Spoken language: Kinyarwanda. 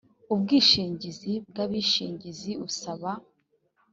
ubwishingizi bw abishingizi usaba